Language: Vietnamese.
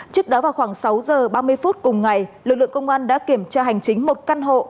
trước đó vào khoảng sáu giờ ba mươi phút cùng ngày lực lượng công an đã kiểm tra hành chính một căn hộ